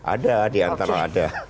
ada di antara ada